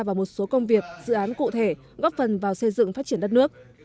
và một số công việc dự án cụ thể góp phần vào xây dựng phát triển đất nước